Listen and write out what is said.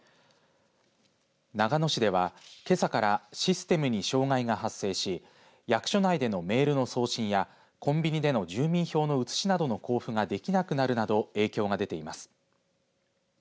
長野市では、けさからシステムに障害が発生し役所内でのメールの送信やコンビニでの住民票の写しなどの交付ができなくなるなど影響が出ています。